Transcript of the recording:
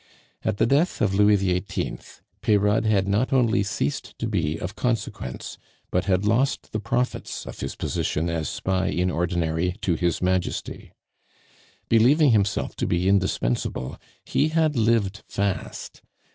At the death of Louis XVIII., Peyrade had not only ceased to be of consequence, but had lost the profits of his position as spy in ordinary to His Majesty. Believing himself to be indispensable, he had lived fast.